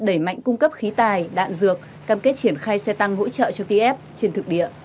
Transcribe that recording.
đẩy mạnh cung cấp khí tài đạn dược cam kết triển khai xe tăng hỗ trợ cho kiev trên thực địa